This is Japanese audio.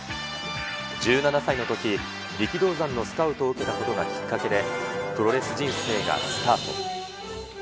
１７歳のとき、力道山のスカウトを受けたことがきっかけで、プロレス人生がスタート。